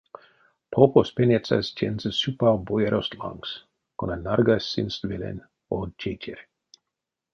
Попось пеняцясь тензэ сюпав боярост лангс, кона нарьгась сынст велень од тейтерь.